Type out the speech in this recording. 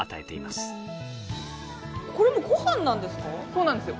そうなんですよ。